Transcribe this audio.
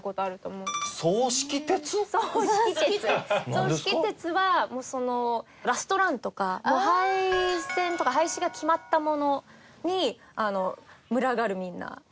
葬式鉄はラストランとかもう廃線とか廃止が決まったものに群がるみんな。